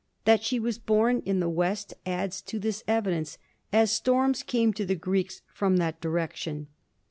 That she was born in the west adds to this evidence, as storms came to the Greeks from that direction.